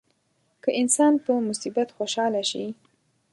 که انسان په مصیبت خوشاله شي.